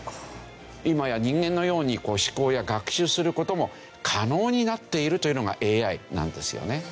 今や人間のように思考や学習する事も可能になっているというのがＡＩなんですよね。